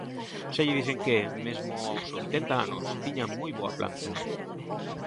Xa lle dixen que, mesmo aos oitenta anos, tiña moi boa planta.